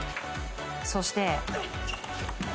そして。